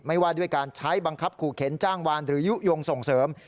ว่าด้วยการใช้บังคับขู่เข็นจ้างวานหรือยุโยงส่งเสริม